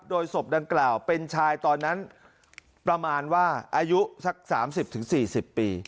โดยศพดังกล่าวเป็นชายตอนนั้นประมาณว่าอายุสัก๓๐๔๐ปี